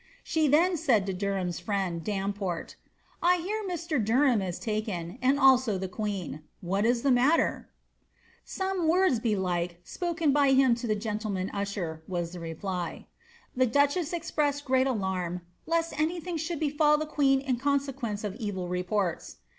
Slie then said to Der ham's friend, Damport, ^I hear Mr. Deiham is taken, and also tlie queen : what is the matter ?"^ Some words, belike, spoken by him to a gentleman usher,'" was the reply. The duchess expressed great alarm lest any thing should befall the queen in consequence of evil reports."